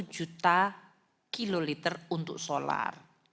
lima belas satu juta kiloliter untuk solar